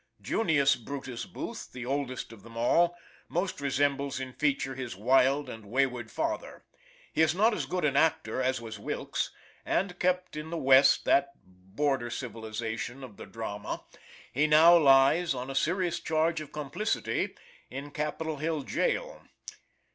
Junius Brutus Booth, the oldest of them all, most resembles in feature his wild and wayward father; he is not as good an actor as was Wilkes, and kept in the West, that border civilization of the drama; he now lies, on a serious charge of complicity, in Capitol Hill jail.